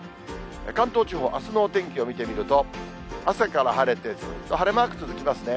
関東地方、あすのお天気を見てみると、朝から晴れて、ずっと晴れマーク続きますね。